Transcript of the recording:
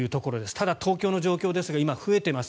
ただ、東京の状況ですが今、増えています。